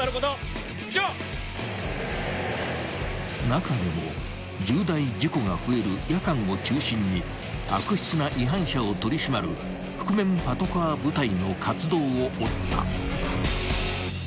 ［中でも重大事故が増える夜間を中心に悪質な違反者を取り締まる覆面パトカー部隊の活動を追った］